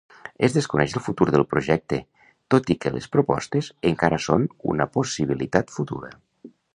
Es desconeix el futur del projecte tot i que les propostes encara són una possibilitat futura.